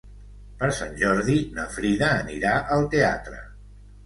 Per Sant Jordi na Frida anirà al teatre.